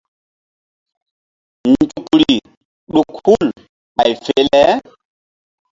Nzukri ɗuk hul ɓay fe le.